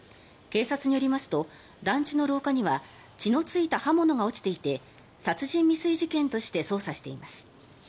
警察によりますと団地の廊下には血のついた刃物が落ちていて殺人未遂事件として捜査しています。